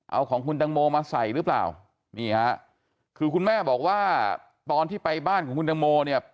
เอาของคุณตังโมมาใส่หรือเปล่านี่ฮะคือคุณแม่บอกว่าตอนที่ไปบ้านของคุณตังโมเนี่ย